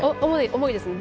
重いですね。